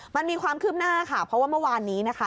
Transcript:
มันมีความคืบหน้าค่ะเพราะว่าเมื่อวานนี้นะคะ